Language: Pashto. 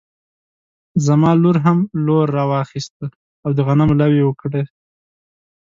زما لور هم لور راواخيستی او د غنمو لو يې وکړی